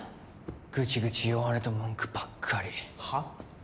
グチグチ弱音と文句ばっかりはっ？